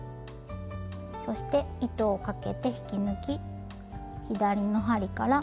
そして糸をかけて引き抜き左の針から目を外します。